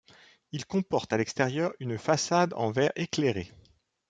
Ils comportent à l'extérieur une façade en verre éclairée.